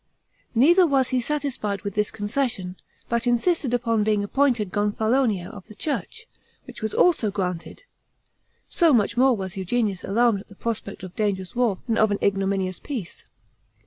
Neither was he satisfied with this concession, but insisted upon being appointed Gonfalonier of the church, which was also granted; so much more was Eugenius alarmed at the prospect of a dangerous war than of an ignominious peace.